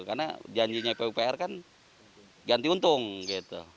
karena janjinya pupr kan ganti untung gitu